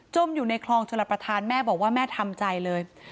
อยู่ในคลองชลประธานแม่บอกว่าแม่ทำใจเลย